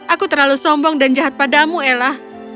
aku terlalu sombong dan jahat padamu ella